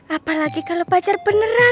apalagi kalau pacar beneran